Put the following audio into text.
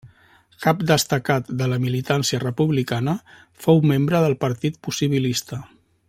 Cap destacat de la militància republicana fou membre del Partit Possibilista.